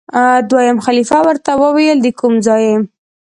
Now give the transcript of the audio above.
دویم خلیفه ورته وویل دکوم ځای یې؟